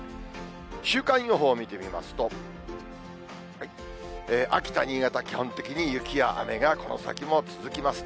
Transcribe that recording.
週間予報見てみますと、秋田、新潟、基本的に雪や雨がこの先も続きますね。